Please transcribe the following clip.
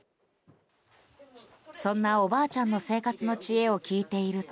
そんな、おばあちゃんの生活の知恵を聞いていると。